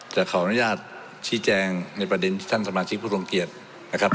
แต่ขออนุญาตชี้แจงในประเด็นที่ท่านสมาชิกผู้ทรงเกียจนะครับ